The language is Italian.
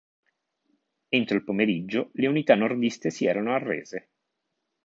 Entro il pomeriggio le unità nordiste si erano arrese.